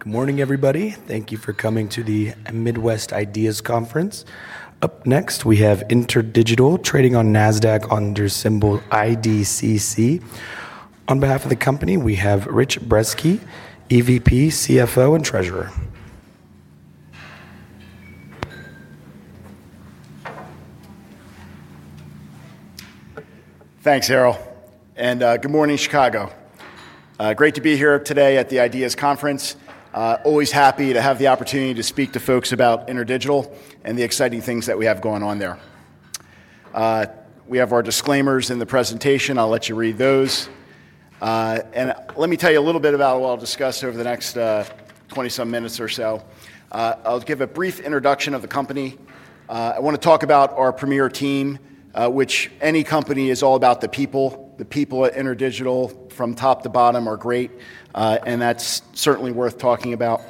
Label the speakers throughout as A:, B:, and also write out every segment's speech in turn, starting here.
A: Good morning, everybody. Thank you for coming to the Midwest Ideas Conference. Up next, we have InterDigital trading on Nasdaq under symbol IDCC. On behalf of the company, we have Richard Brezski, EVP, CFO, and Treasurer.
B: Thanks, Errol. Good morning, Chicago. Great to be here today at the Ideas Conference. Always happy to have the opportunity to speak to folks about InterDigital and the exciting things that we have going on there. We have our disclaimers in the presentation. I'll let you read those. Let me tell you a little bit about what I'll discuss over the next 20-some minutes or so. I'll give a brief introduction of the company. I want to talk about our premier team, which any company is all about the people. The people at InterDigital, from top to bottom, are great. That's certainly worth talking about.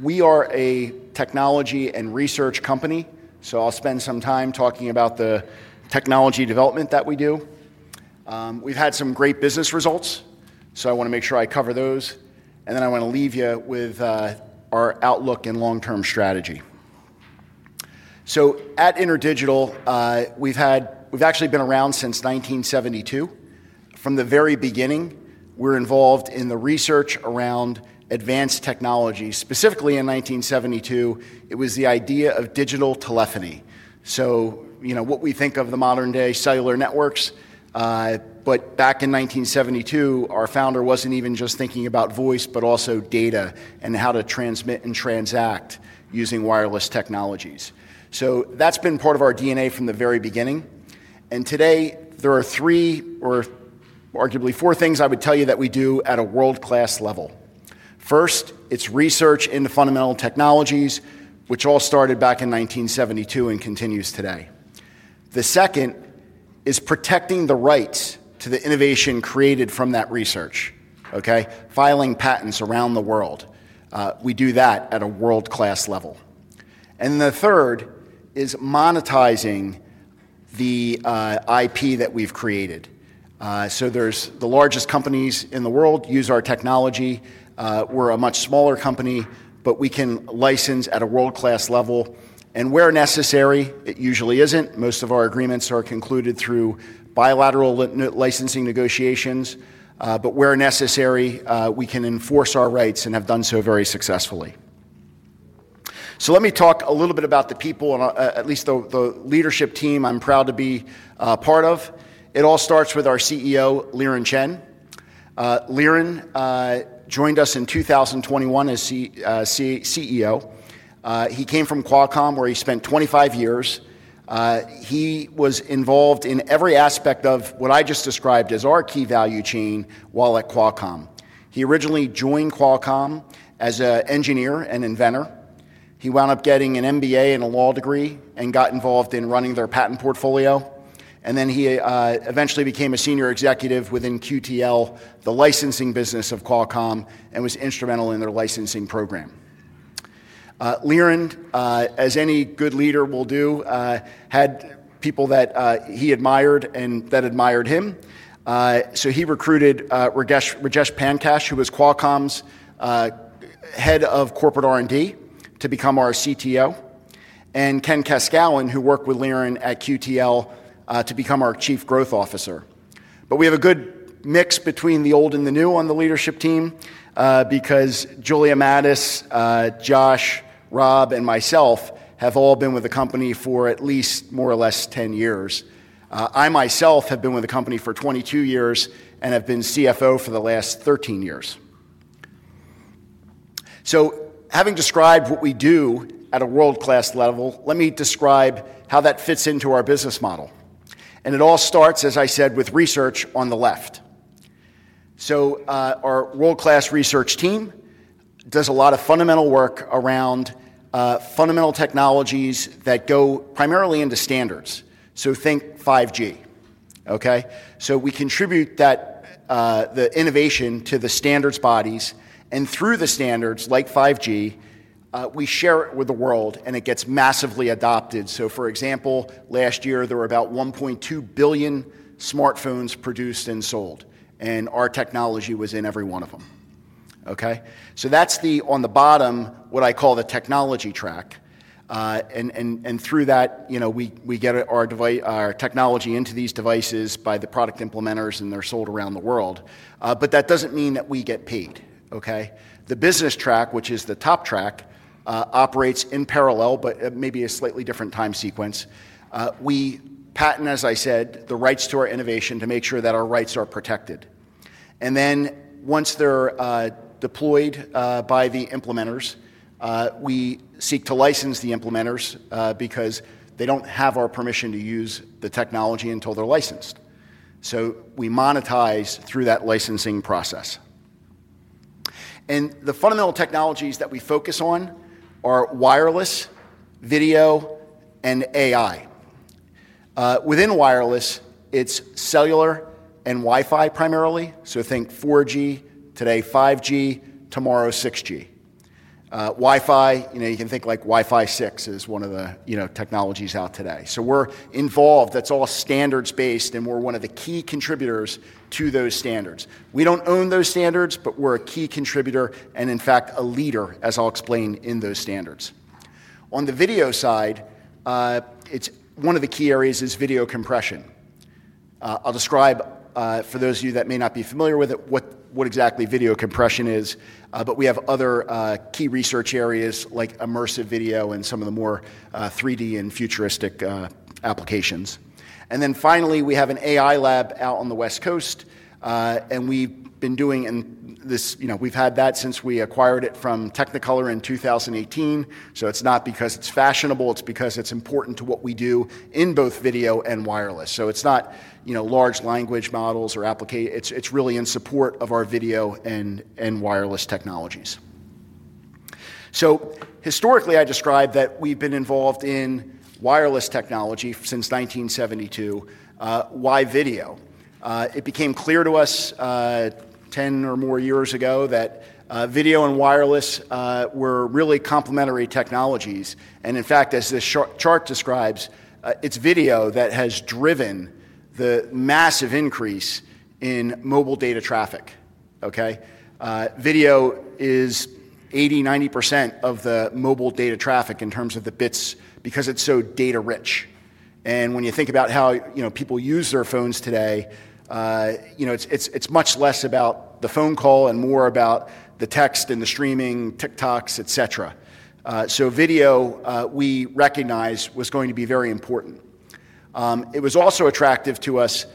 B: We are a technology and research company, so I'll spend some time talking about the technology development that we do. We've had some great business results, so I want to make sure I cover those. I want to leave you with our outlook and long-term strategy. At InterDigital, we've actually been around since 1972. From the very beginning, we're involved in the research around advanced technology. Specifically, in 1972, it was the idea of digital telephony. You know what we think of the modern-day cellular networks. Back in 1972, our founder wasn't even just thinking about voice, but also data and how to transmit and transact using wireless technologies. That's been part of our DNA from the very beginning. Today, there are three or arguably four things I would tell you that we do at a world-class level. First, it's research into fundamental technologies, which all started back in 1972 and continues today. The second is protecting the rights to the innovation created from that research, filing patents around the world. We do that at a world-class level. The third is monetizing the IP that we've created. The largest companies in the world use our technology. We're a much smaller company, but we can license at a world-class level. Where necessary, it usually isn't. Most of our agreements are concluded through bilateral licensing negotiations. Where necessary, we can enforce our rights and have done so very successfully. Let me talk a little bit about the people, at least the leadership team I'm proud to be a part of. It all starts with our CEO, Liren Chen. Liren joined us in 2021 as CEO. He came from Qualcomm, where he spent 25 years. He was involved in every aspect of what I just described as our key value chain while at Qualcomm. He originally joined Qualcomm as an engineer and inventor. He wound up getting an MBA and a law degree and got involved in running their patent portfolio. He eventually became a senior executive within QTL, the licensing business of Qualcomm, and was instrumental in their licensing program. Liren, as any good leader will do, had people that he admired and that admired him. He recruited Rajesh Pankaj, who was Qualcomm's head of corporate R&D, to become our CTO, and Ken Kaskoun, who worked with Liren at QTL to become our Chief Growth Officer. We have a good mix between the old and the new on the leadership team, because Julia Mattis, Josh, Rob, and myself have all been with the company for at least more or less 10 years. I myself have been with the company for 22 years and have been CFO for the last 13 years. Having described what we do at a world-class level, let me describe how that fits into our business model. It all starts, as I said, with research on the left. Our world-class research team does a lot of fundamental work around fundamental technologies that go primarily into standards. Think 5G, OK? We contribute the innovation to the standards bodies. Through the standards, like 5G, we share it with the world, and it gets massively adopted. For example, last year, there were about 1.2 billion smartphones produced and sold. Our technology was in every one of them, OK? That's the, on the bottom, what I call the technology track. Through that, we get our technology into these devices by the product implementers, and they're sold around the world. That doesn't mean that we get paid, OK? The business track, which is the top track, operates in parallel, but maybe a slightly different time sequence. We patent, as I said, the rights to our innovation to make sure that our rights are protected. Once they're deployed by the implementers, we seek to license the implementers, because they don't have our permission to use the technology until they're licensed. We monetize through that licensing process. The fundamental technologies that we focus on are wireless, video, and AI. Within wireless, it's cellular and Wi-Fi primarily. Think 4G, today 5G, tomorrow 6G. Wi-Fi, you can think like Wi-Fi 6 is one of the technologies out today. We're involved. That's all standards-based, and we're one of the key contributors to those standards. We don't own those standards, but we're a key contributor and, in fact, a leader, as I'll explain, in those standards. On the video side, one of the key areas is video compression. I'll describe, for those of you that may not be familiar with what exactly video compression is, but we have other key research areas, like immersive video and some of the more 3D and futuristic applications. Finally, we have an AI lab out on the West Coast. We've been doing this, we've had that since we acquired it from Technicolor in 2018. It's not because it's fashionable. It's because it's important to what we do in both video and wireless. It's not large language models or applications. It's really in support of our video and wireless technologies. Historically, I described that we've been involved in wireless technology since 1972. Why video? It became clear to us 10 or more years ago that video and wireless were really complementary technologies. In fact, as this chart describes, it's video that has driven the massive increase in mobile data traffic, OK? Video is 80%, 90% of the mobile data traffic in terms of the bits, because it's so data-rich. When you think about how people use their phones today, it's much less about the phone call and more about the text and the streaming, TikToks, etc. Video, we recognized, was going to be very important. It was also attractive to us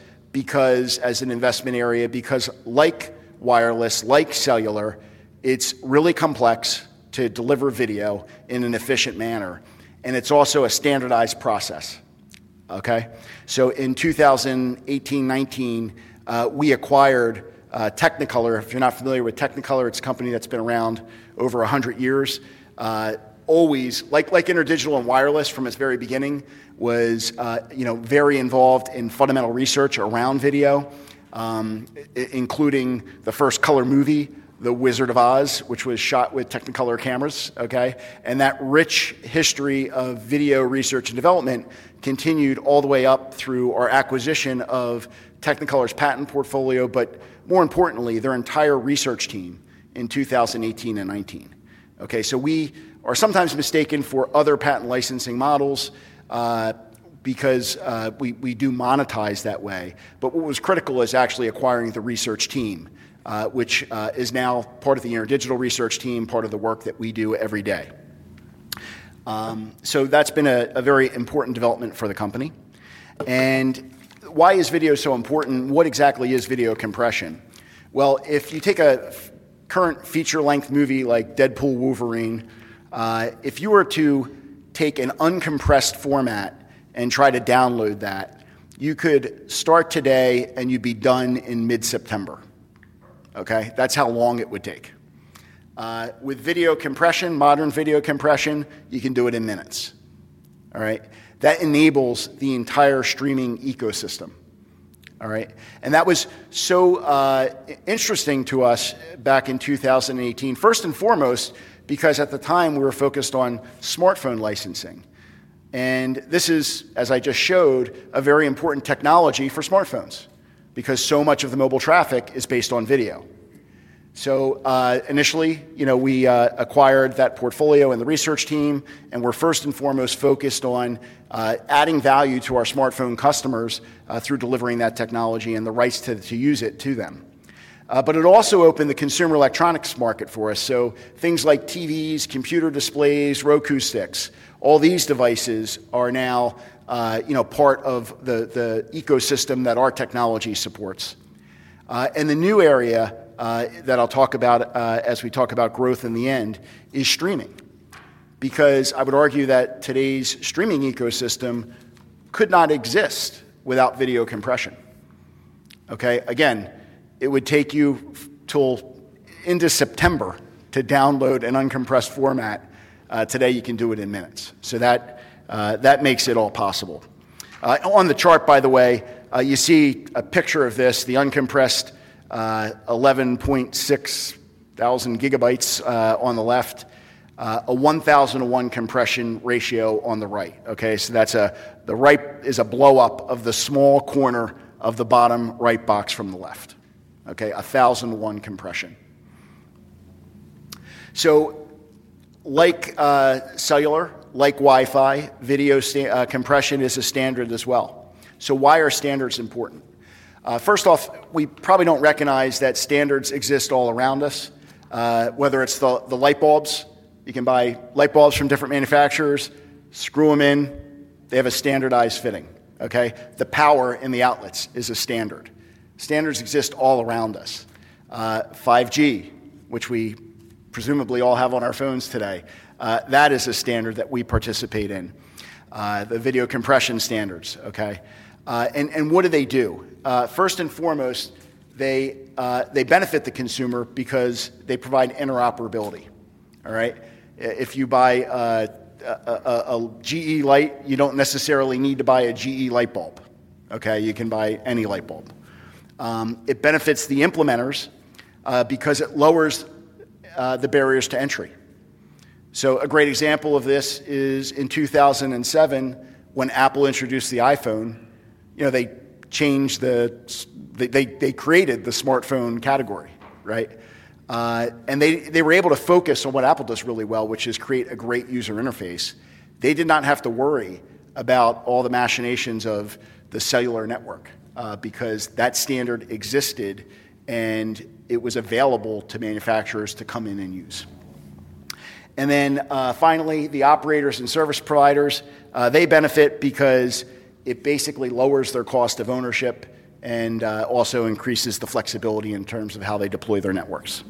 B: as an investment area, because like wireless, like cellular, it's really complex to deliver video in an efficient manner. It's also a standardized process, OK? In 2018-2019, we acquired Technicolor. If you're not familiar with Technicolor, it's a company that's been around over 100 years. Like InterDigital and wireless, from its very beginning, it was very involved in fundamental research around video, including the first color movie, The Wizard of Oz, which was shot with Technicolor cameras, OK? That rich history of video research and development continued all the way up through our acquisition of Technicolor's patent portfolio, but more importantly, their entire research team in 2018 and 2019, OK? We are sometimes mistaken for other patent licensing models, because we do monetize that way. What was critical is actually acquiring the research team, which is now part of the InterDigital research team, part of the work that we do every day. That's been a very important development for the company. Why is video so important? What exactly is video compression? If you take a current feature-length movie like Deadpool and Wolverine, if you were to take an uncompressed format and try to download that, you could start today, and you'd be done in mid-September, OK? That's how long it would take. With video compression, modern video compression, you can do it in minutes, all right? That enables the entire streaming ecosystem, all right? That was so interesting to us back in 2018, first and foremost, because at the time, we were focused on smartphone licensing. This is, as I just showed, a very important technology for smartphones, because so much of the mobile traffic is based on video. Initially, we acquired that portfolio and the research team, and we were first and foremost focused on adding value to our smartphone customers through delivering that technology and the rights to use it to them. It also opened the consumer electronics market for us. Things like TVs, computer displays, Roku Sticks, all these devices are now part of the ecosystem that our technology supports. The new area that I'll talk about as we talk about growth in the end is streaming, because I would argue that today's streaming ecosystem could not exist without video compression, OK? Again, it would take you until end of September to download an uncompressed format. Today, you can do it in minutes. That makes it all possible. On the chart, by the way, you see a picture of this, the uncompressed 11.6 thousand gigabytes on the left, a 1,001 compression ratio on the right, OK? The right is a blow-up of the small corner of the bottom right box from the left, OK? 1,001 compression. Like cellular, like Wi-Fi, video compression is a standard as well. Why are standards important? First off, we probably don't recognize that standards exist all around us. Whether it's the light bulbs, you can buy light bulbs from different manufacturers, screw them in, they have a standardized fitting, OK? The power in the outlets is a standard. Standards exist all around us. 5G, which we presumably all have on our phones today, that is a standard that we participate in, the video compression standards, OK? What do they do? First and foremost, they benefit the consumer, because they provide interoperability, all right? If you buy a GE light, you don't necessarily need to buy a GE light bulb, OK? You can buy any light bulb. It benefits the implementers, because it lowers the barriers to entry. A great example of this is in 2007, when Apple introduced the iPhone. They created the smartphone category, right? They were able to focus on what Apple does really well, which is create a great user interface. They did not have to worry about all the machinations of the cellular network, because that standard existed, and it was available to manufacturers to come in and use. Finally, the operators and service providers benefit, because it basically lowers their cost of ownership and also increases the flexibility in terms of how they deploy their networks.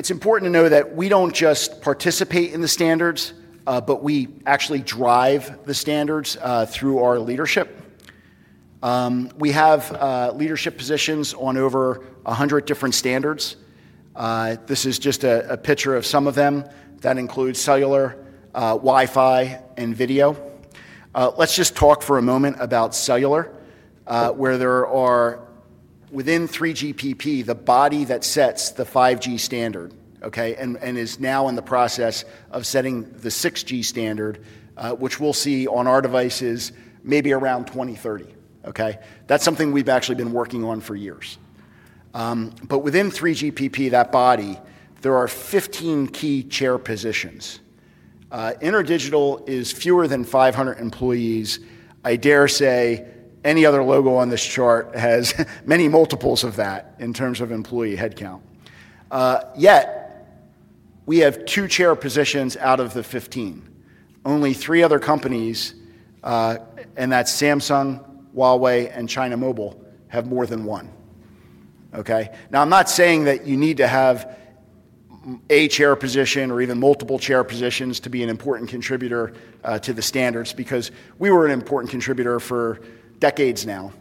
B: It is important to know that we do not just participate in the standards, but we actually drive the standards through our leadership. We have leadership positions on over 100 different standards. This is just a picture of some of them. That includes cellular, Wi-Fi, and video. Let's just talk for a moment about cellular, where there are, within 3GPP, the body that sets the 5G standard, OK? It is now in the process of setting the 6G standard, which we will see on our devices maybe around 2030, OK? That is something we have actually been working on for years. Within 3GPP, that body, there are 15 key chair positions. InterDigital is fewer than 500 employees. I dare say any other logo on this chart has many multiples of that in terms of employee headcount. Yet, we have two chair positions out of the 15. Only three other companies, and that is Samsung, Huawei, and China Mobile, have more than one, OK? I am not saying that you need to have a chair position or even multiple chair positions to be an important contributor to the standards, because we were an important contributor for decades now,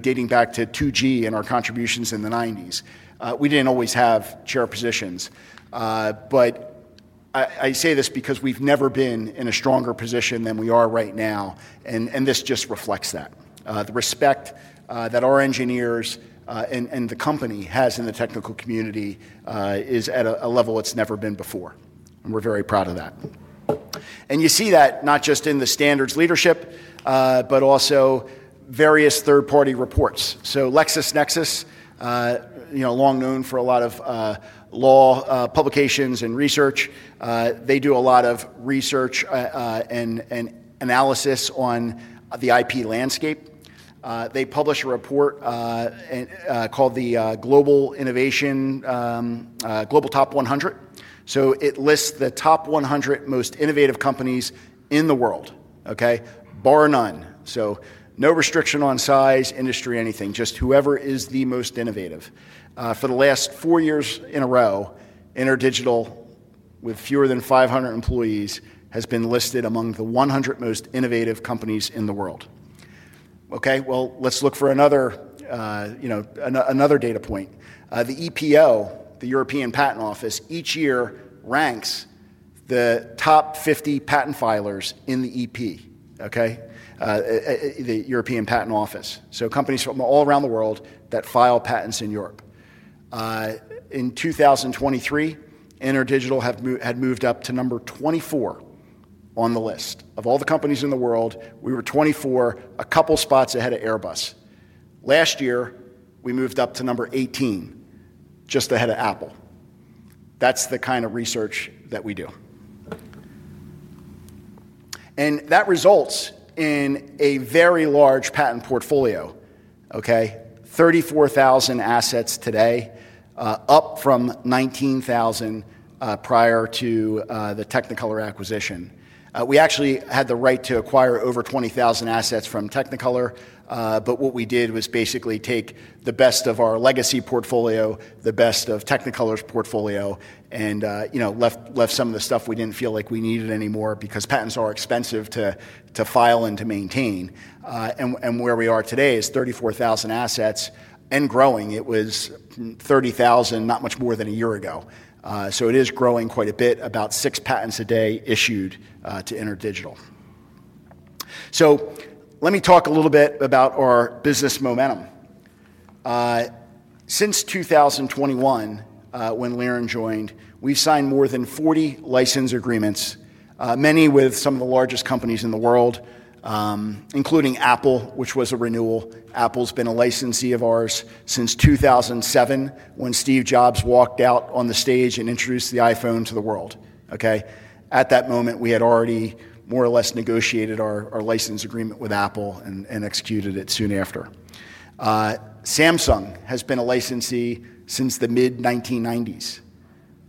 B: dating back to 2G and our contributions in the 1990s. We did not always have chair positions. I say this because we have never been in a stronger position than we are right now. This just reflects that. The respect that our engineers and the company has in the technical community is at a level it has never been before. We are very proud of that. You see that not just in the standards leadership, but also various third-party reports. LexisNexis, long known for a lot of law publications and research, does a lot of research and analysis on the IP landscape. They publish a report called the Global Innovation Global Top 100. It lists the top 100 most innovative companies in the world, OK? Bar none. No restriction on size, industry, anything, just whoever is the most innovative. For the last four years in a row, InterDigital, with fewer than 500 employees, has been listed among the 100 most innovative companies in the world, OK? Let's look for another data point. The EPO, the European Patent Office, each year ranks the top 50 patent filers in the EP, OK? The European Patent Office. Companies from all around the world file patents in Europe. In 2023, InterDigital had moved up to number 24 on the list. Of all the companies in the world, we were 24, a couple spots ahead of Airbus. Last year, we moved up to number 18, just ahead of Apple. That's the kind of research that we do. That results in a very large patent portfolio, OK? 34,000 assets today, up from 19,000 prior to the Technicolor acquisition. We actually had the right to acquire over 20,000 assets from Technicolor. What we did was basically take the best of our legacy portfolio, the best of Technicolor's portfolio, and left some of the stuff we didn't feel like we needed anymore, because patents are expensive to file and to maintain. Where we are today is 34,000 assets and growing. It was 30,000 not much more than a year ago. It is growing quite a bit, about six patents a day issued to InterDigital. Let me talk a little bit about our business momentum. Since 2021, when Liren joined, we've signed more than 40 license agreements, many with some of the largest companies in the world, including Apple, which was a renewal. Apple's been a licensee of ours since 2007, when Steve Jobs walked out on the stage and introduced the iPhone to the world, OK? At that moment, we had already more or less negotiated our license agreement with Apple and executed it soon after. Samsung has been a licensee since the mid-1990s,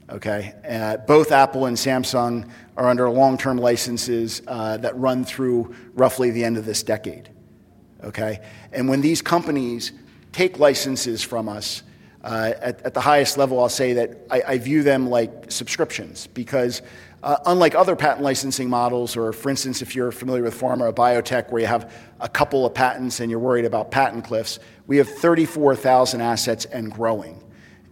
B: OK? Both Apple and Samsung are under long-term licenses that run through roughly the end of this decade, OK? When these companies take licenses from us, at the highest level, I'll say that I view them like subscriptions, because unlike other patent licensing models, or for instance, if you're familiar with pharma or biotech, where you have a couple of patents and you're worried about patent cliffs, we have 34,000 assets and growing.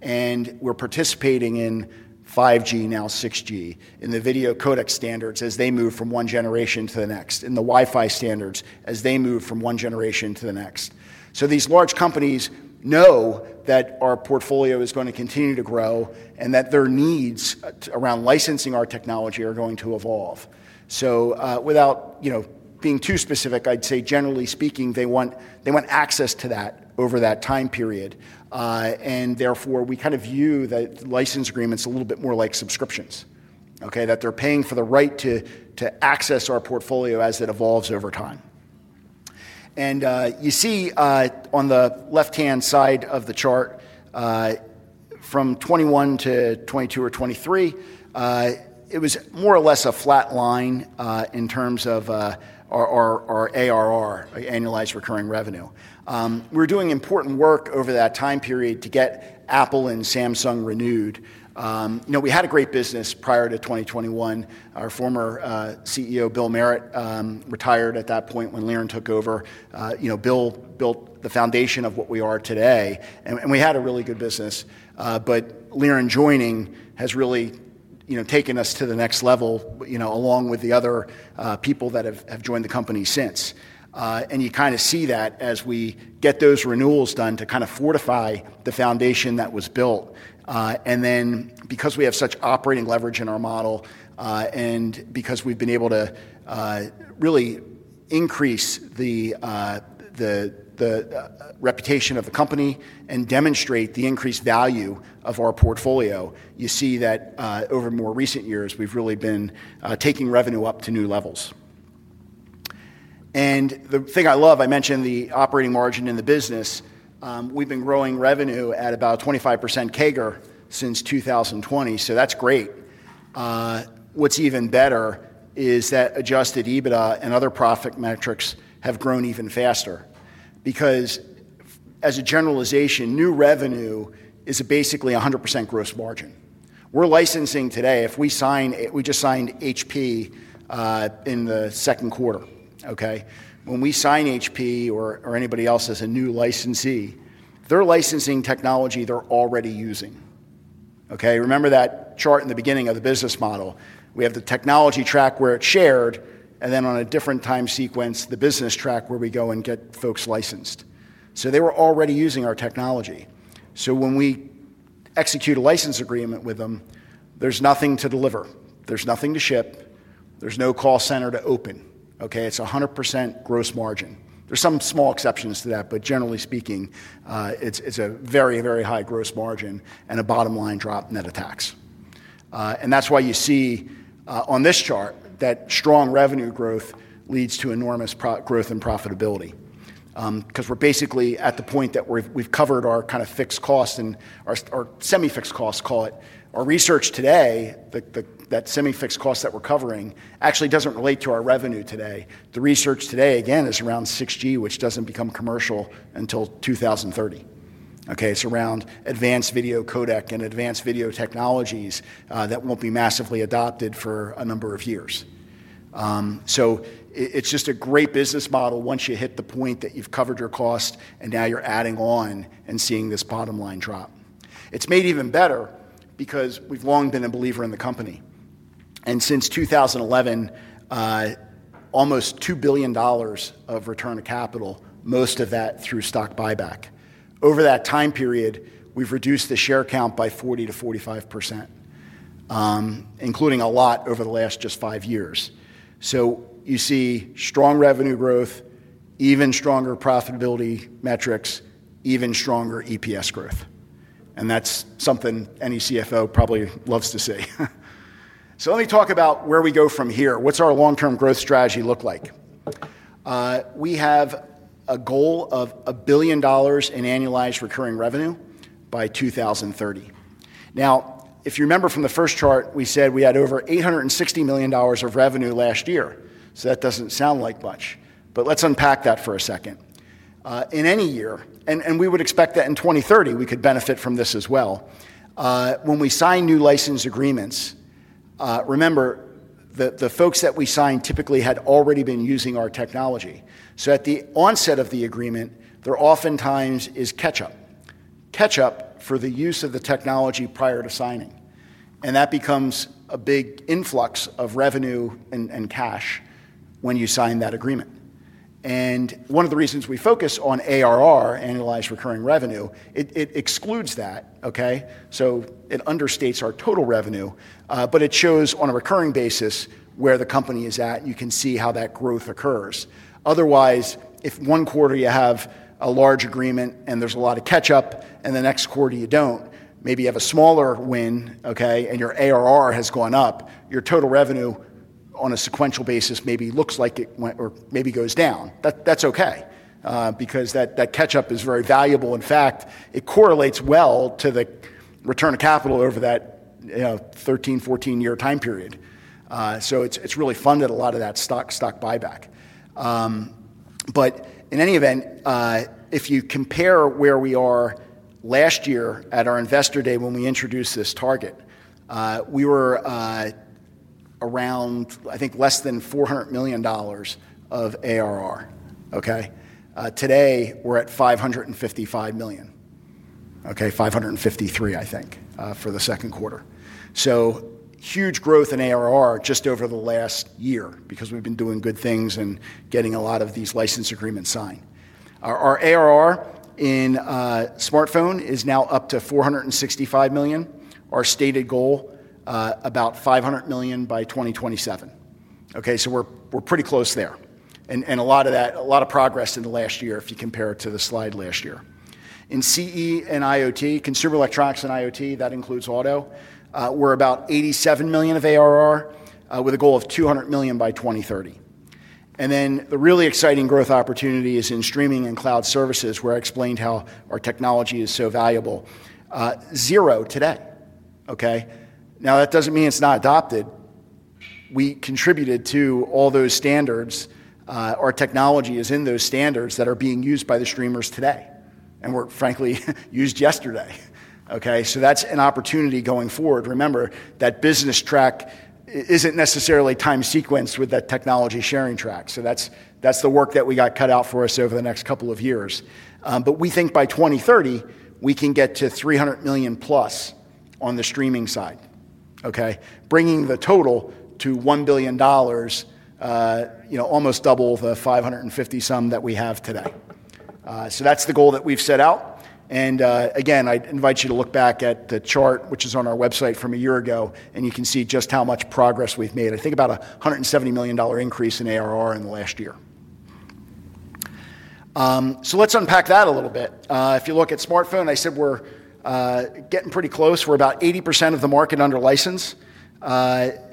B: We're participating in 5G, now 6G, in the video codec standards as they move from one generation to the next, in the Wi-Fi standards as they move from one generation to the next. These large companies know that our portfolio is going to continue to grow and that their needs around licensing our technology are going to evolve. Without being too specific, I'd say, generally speaking, they want access to that over that time period. Therefore, we kind of view the license agreements a little bit more like subscriptions, OK? They're paying for the right to access our portfolio as it evolves over time. You see on the left-hand side of the chart, from 2021-2022 or 2023, it was more or less a flat line in terms of our ARR, annualized recurring revenue. We're doing important work over that time period to get Apple and Samsung renewed. We had a great business prior to 2021. Our former CEO, Bill Merritt, retired at that point when Liren took over. Bill built the foundation of what we are today. We had a really good business. Liren joining has really taken us to the next level, along with the other people that have joined the company since. You kind of see that as we get those renewals done to fortify the foundation that was built. Because we have such operating leverage in our model and because we've been able to really increase the reputation of the company and demonstrate the increased value of our portfolio, you see that over more recent years, we've really been taking revenue up to new levels. The thing I love, I mentioned the operating margin in the business. We've been growing revenue at about 25% CAGR since 2020. That's great. What's even better is that adjusted EBITDA and other profit metrics have grown even faster, because as a generalization, new revenue is basically 100% gross margin. We're licensing today. If we sign, we just signed HP in the second quarter, OK? When we sign HP or anybody else as a new licensee, they're licensing technology they're already using, OK? Remember that chart in the beginning of the business model? We have the technology track where it's shared, and then on a different time sequence, the business track where we go and get folks licensed. They were already using our technology. When we execute a license agreement with them, there's nothing to deliver. There's nothing to ship. There's no call center to open, OK? It's 100% gross margin. There are some small exceptions to that, but generally speaking, it's a very, very high gross margin and a bottom line drop net of tax. That's why you see on this chart that strong revenue growth leads to enormous growth in profitability, because we're basically at the point that we've covered our kind of fixed costs and our semi-fixed costs, call it. Our research today, that semi-fixed cost that we're covering, actually doesn't relate to our revenue today. The research today, again, is around 6G, which doesn't become commercial until 2030, OK? It's around advanced video codec and advanced video technologies that won't be massively adopted for a number of years. It's just a great business model once you hit the point that you've covered your cost and now you're adding on and seeing this bottom line drop. It's made even better, because we've long been a believer in the company. Since 2011, almost $2 billion of return of capital, most of that through stock buyback. Over that time period, we've reduced the share count by 40%-45%, including a lot over the last just five years. You see strong revenue growth, even stronger profitability metrics, even stronger EPS growth. That's something any CFO probably loves to see. Let me talk about where we go from here. What's our long-term growth strategy look like? We have a goal of $1 billion in annualized recurring revenue by 2030. If you remember from the first chart, we said we had over $860 million of revenue last year. That doesn't sound like much. Let's unpack that for a second. In any year, and we would expect that in 2030, we could benefit from this as well. When we sign new license agreements, remember, the folks that we signed typically had already been using our technology. At the onset of the agreement, there oftentimes is catch-up, catch-up for the use of the technology prior to signing. That becomes a big influx of revenue and cash when you sign that agreement. One of the reasons we focus on ARR, annualized recurring revenue, it excludes that, OK? It understates our total revenue. It shows on a recurring basis where the company is at. You can see how that growth occurs. Otherwise, if one quarter you have a large agreement and there's a lot of catch-up, and the next quarter you don't, maybe you have a smaller win, OK, and your ARR has gone up, your total revenue on a sequential basis maybe looks like it went or maybe goes down. That's OK, because that catch-up is very valuable. In fact, it correlates well to the return of capital over that 13, 14-year time period. It's really funded a lot of that stock buyback. In any event, if you compare where we are last year at our investor day when we introduced this target, we were around, I think, less than $400 million of ARR, OK? Today, we're at $555 million, OK? $553 million, I think, for the second quarter. Huge growth in ARR just over the last year, because we've been doing good things and getting a lot of these license agreements signed. Our ARR in smartphone is now up to $465 million. Our stated goal, about $500 million by 2027, OK? We're pretty close there. A lot of progress in the last year if you compare it to the slide last year. In CE and IoT, consumer electronics and IoT, that includes auto, we're about $87 million of ARR with a goal of $200 million by 2030. The really exciting growth opportunity is in streaming and cloud services, where I explained how our technology is so valuable, zero today, OK? That doesn't mean it's not adopted. We contributed to all those standards. Our technology is in those standards that are being used by the streamers today and were frankly used yesterday, OK? That's an opportunity going forward. Remember, that business track isn't necessarily time sequenced with that technology sharing track. That's the work that we got cut out for us over the next couple of years. We think by 2030, we can get to $300 million plus on the streaming side, OK? Bringing the total to $1 billion, almost double the $550 some that we have today. That's the goal that we've set out. I invite you to look back at the chart, which is on our website from a year ago. You can see just how much progress we've made. I think about a $170 million increase in ARR in the last year. Let's unpack that a little bit. If you look at smartphone, I said we're getting pretty close. We're about 80% of the market under license. That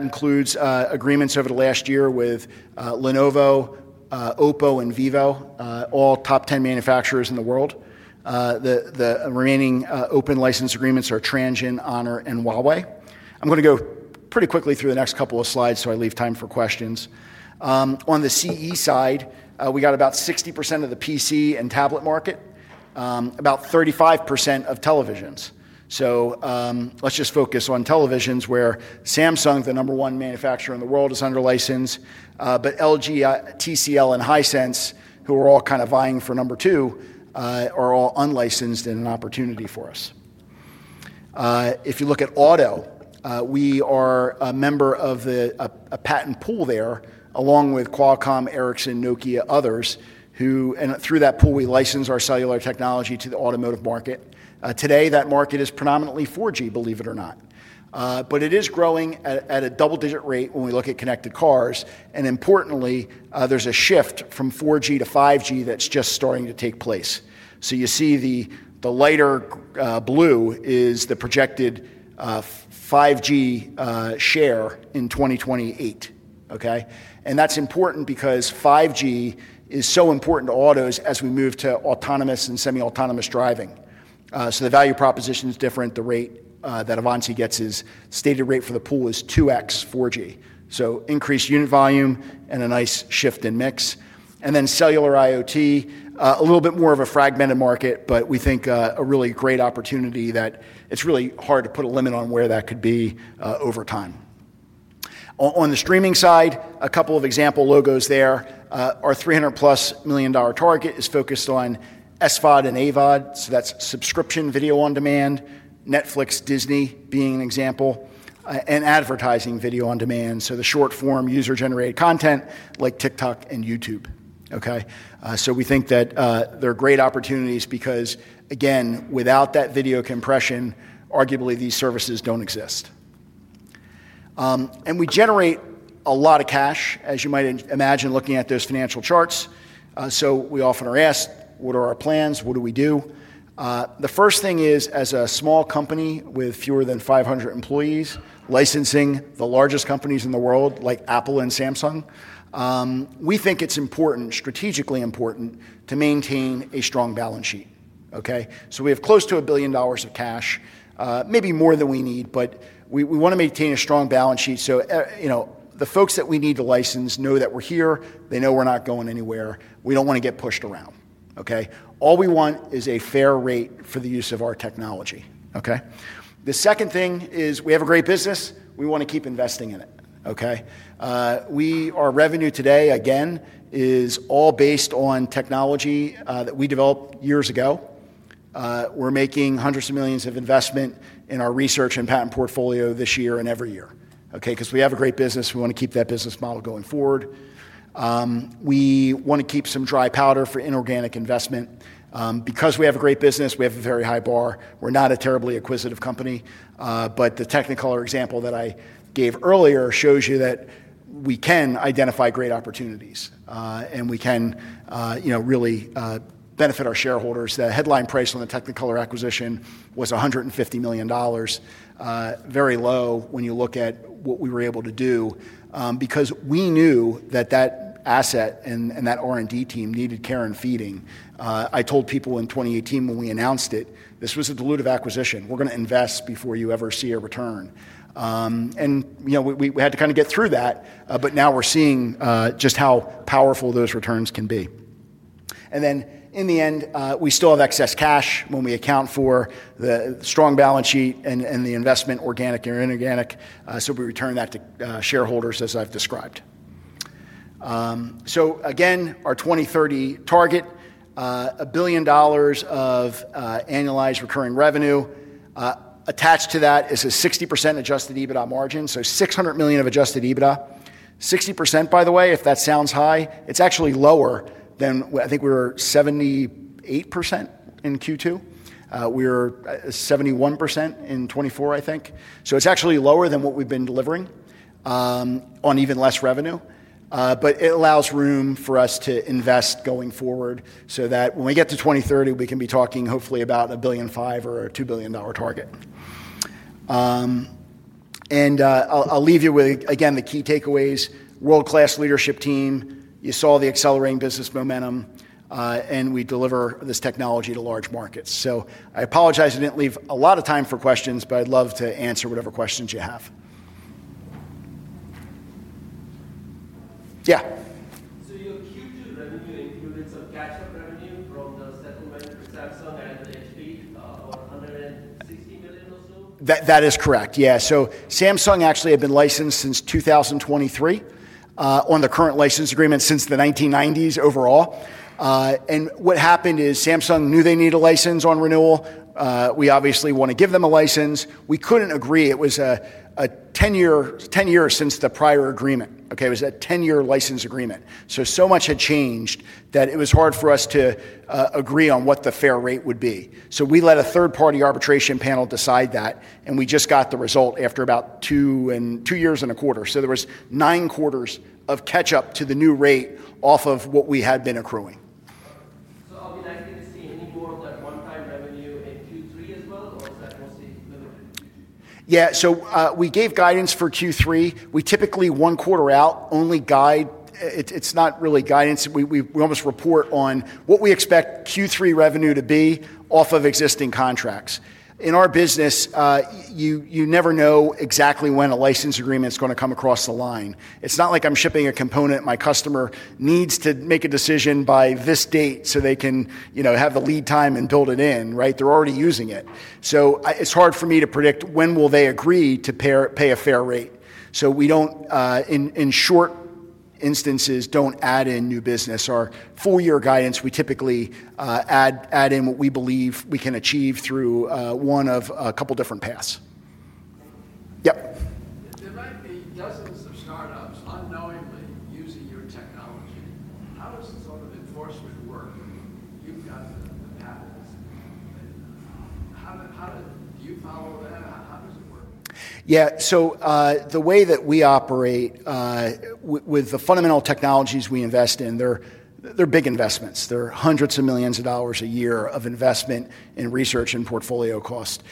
B: includes agreements over the last year with Lenovo, Oppo, and Vivo, all top 10 manufacturers in the world. The remaining open license agreements are Transient, Honor, and Huawei. I'm going to go pretty quickly through the next couple of slides so I leave time for questions. On the CE side, we got about 60% of the PC and tablet market, about 35% of televisions. Let's just focus on televisions, where Samsung, the number one manufacturer in the world, is under license. LG, TCL, and Hisense, who are all kind of vying for number two, are all unlicensed and an opportunity for us. If you look at auto, we are a member of a patent pool there, along with Qualcomm, Ericsson, Nokia, others, who, and through that pool, we license our cellular technology to the automotive market. Today, that market is predominantly 4G, believe it or not. It is growing at a double-digit rate when we look at connected cars. Importantly, there's a shift from 4G-5G that's just starting to take place. You see the lighter blue is the projected 5G share in 2028, OK? That's important because 5G is so important to autos as we move to autonomous and semi-autonomous driving. The value proposition is different. The rate that Avanci gets is stated rate for the pool is 2x 4G. Increased unit volume and a nice shift in mix. Cellular IoT, a little bit more of a fragmented market, but we think a really great opportunity that it's really hard to put a limit on where that could be over time. On the streaming side, a couple of example logos there. Our $300+ million target is focused on SVOD and AVOD. That's subscription video on demand, Netflix, Disney being an example, and advertising video on demand. The short-form user-generated content like TikTok and YouTube, OK? We think that they're great opportunities, because again, without that video compression, arguably, these services don't exist. We generate a lot of cash, as you might imagine looking at those financial charts. We often are asked, what are our plans? What do we do? The first thing is, as a small company with fewer than 500 employees, licensing the largest companies in the world, like Apple and Samsung, we think it's important, strategically important, to maintain a strong balance sheet, OK? We have close to $1 billion of cash, maybe more than we need, but we want to maintain a strong balance sheet. The folks that we need to license know that we're here. They know we're not going anywhere. We don't want to get pushed around, OK? All we want is a fair rate for the use of our technology, OK? The second thing is we have a great business. We want to keep investing in it, OK? Our revenue today, again, is all based on technology that we developed years ago. We're making hundreds of millions of investment in our research and patent portfolio this year and every year, OK? We have a great business. We want to keep that business model going forward. We want to keep some dry powder for inorganic investment. Because we have a great business, we have a very high bar. We're not a terribly acquisitive company. The Technicolor example that I gave earlier shows you that we can identify great opportunities. We can really benefit our shareholders. The headline price on the Technicolor acquisition was $150 million, very low when you look at what we were able to do, because we knew that that asset and that R&D team needed care and feeding. I told people in 2018 when we announced it, this was a dilutive acquisition. We're going to invest before you ever see a return. We had to kind of get through that. Now we're seeing just how powerful those returns can be. In the end, we still have excess cash when we account for the strong balance sheet and the investment, organic or inorganic. We return that to shareholders, as I've described. Our 2030 target is $1 billion of annualized recurring revenue. Attached to that is a 60% adjusted EBITDA margin. So $600 million of adjusted EBITDA. 60%, by the way, if that sounds high, it's actually lower than I think we were 78% in Q2. We were 71% in 2024, I think. It's actually lower than what we've been delivering on even less revenue. It allows room for us to invest going forward so that when we get to 2030, we can be talking hopefully about $1.5 billion or a $2 billion target. I'll leave you with, again, the key takeaways. World-class leadership team. You saw the accelerating business momentum. We deliver this technology to large markets. I apologize I didn't leave a lot of time for questions, but I'd love to answer whatever questions you have. Yeah? Your Q2 revenue, you mean sub-capture revenue from the stakeholder? That is correct, yeah. Samsung actually had been licensed since 2023 on the current license agreement, and since the 1990s overall. What happened is Samsung knew they needed a license on renewal. We obviously want to give them a license. We couldn't agree. It was a 10-year since the prior agreement, OK? It was a 10-year license agreement. So much had changed that it was hard for us to agree on what the fair rate would be. We let a third-party arbitration panel decide that. We just got the result after about two years and a quarter. There was nine quarters of catch-up to the new rate off of what we had been accruing. Our relative stream involved one-time revenue at Q3? Yeah, so we gave guidance for Q3. We typically, one quarter out, only guide. It's not really guidance. We almost report on what we expect Q3 revenue to be off of existing contracts. In our business, you never know exactly when a license agreement is going to come across the line. It's not like I'm shipping a component my customer needs to make a decision by this date so they can have the lead time and build it in, right? They're already using it. It's hard for me to predict when will they agree to pay a fair rate. We don't, in short instances, add in new business. Our full-year guidance, we typically add in what we believe we can achieve through one of a couple different paths. Yeah. There might be dozens of startups unknowingly using your technology. How does this sort of enforce with the work you've done to Apple? Yeah, the way that we operate with the fundamental technologies we invest in, they're big investments. They're hundreds of millions of dollars a year of investment in research and portfolio cost.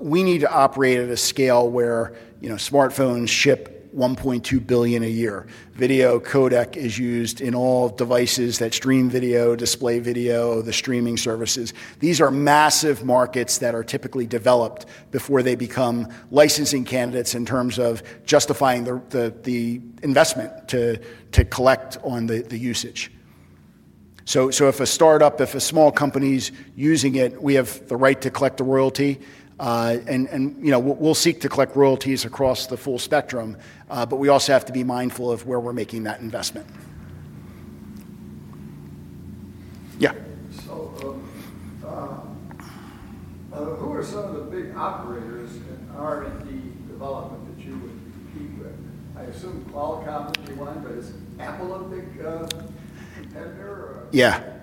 B: We need to operate at a scale where smartphones ship 1.2 billion a year. Video codec is used in all devices that stream video, display video, the streaming services. These are massive markets that are typically developed before they become licensing candidates in terms of justifying the investment to collect on the usage. If a startup, if a small company is using it, we have the right to collect a royalty. We'll seek to collect royalties across the full spectrum. We also have to be mindful of where we're making that investment. Yeah. Who are some of the big operators that are in the development that you would compete with? I assume Qualcomm would be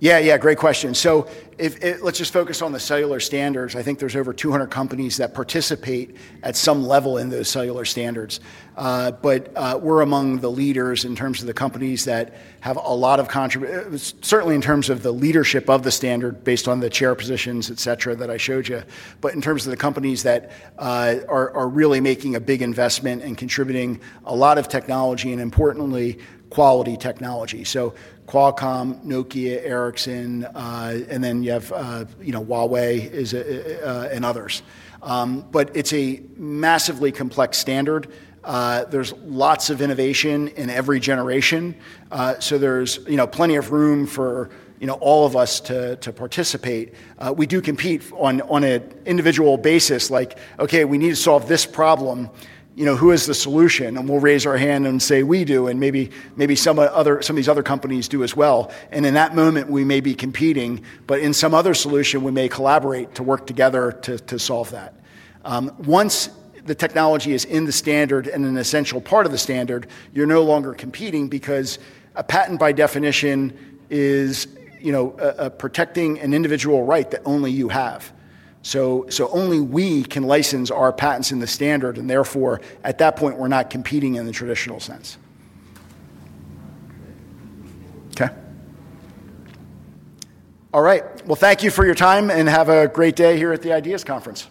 B: one. Yeah, great question. Let's just focus on the cellular standards. I think there's over 200 companies that participate at some level in those cellular standards. We're among the leaders in terms of the companies that have a lot of contributions, certainly in terms of the leadership of the standard based on the chair positions, et cetera, that I showed you. In terms of the companies that are really making a big investment and contributing a lot of technology and, importantly, quality technology, Qualcomm, Nokia, Ericsson, and then you have Huawei and others. It's a massively complex standard. There's lots of innovation in every generation, so there's plenty of room for all of us to participate. We do compete on an individual basis, like, OK, we need to solve this problem. Who has the solution? We'll raise our hand and say we do, and maybe some of these other companies do as well. In that moment, we may be competing. In some other solution, we may collaborate to work together to solve that. Once the technology is in the standard and an essential part of the standard, you're no longer competing, because a patent by definition is protecting an individual right that only you have. Only we can license our patents in the standard, and therefore, at that point, we're not competing in the traditional sense. Thank you for your time, and have a great day here at the Ideas Conference.